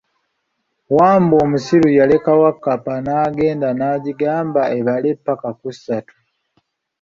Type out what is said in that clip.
Wambwa omusiru yaleka Wakkapa n'agenda naagyigaamba ebale ppaka ku ssatu.